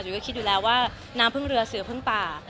ก็คิดอยู่แล้วว่าน้ำพึ่งเรือเสือพึ่งป่า